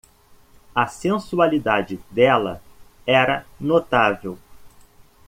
A sensualidade dela era notável.